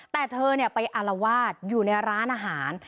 แต่เธอเนี่ยไปอลวาดอยู่ในร้านอาหาร